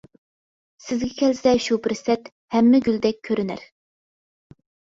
سىزگە كەلسە شۇ پۇرسەت، ھەممە گۈلدەك كۆرۈنەر.